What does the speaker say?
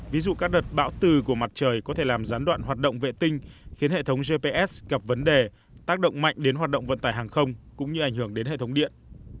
ví dụ các đợt bão từ của mặt trời có thể làm gián đoạn hoạt động vệ tinh khiến hệ thống gps gặp vấn đề tác động mạnh đến hoạt động vận tải hàng không cũng như ảnh hưởng đến hệ thống điện